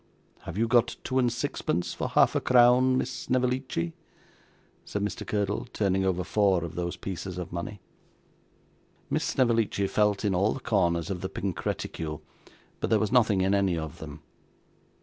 Have you got two and sixpence for half a crown, Miss Snevellicci?' said Mr. Curdle, turning over four of those pieces of money. Miss Snevellicci felt in all the corners of the pink reticule, but there was nothing in any of them.